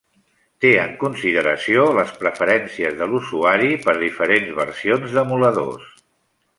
Té en consideració les preferències de l'usuari per diferents versions d'emuladors.